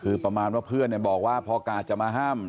คือประมาณว่าเพื่อนบอกว่าพอกาดจะมาห้าม